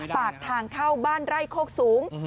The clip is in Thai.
ปากทางเข้าบ้านไร่โคกสูง